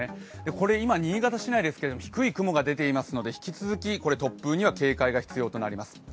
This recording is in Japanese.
これ今、新潟市内ですけど低い雲が出ていますので引き続き突風には警戒が必要になります。